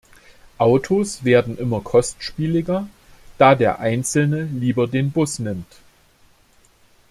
Autos werden immer kostspieliger, da der Einzelne lieber den Bus nimmt.